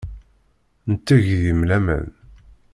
Netteg deg-m laman.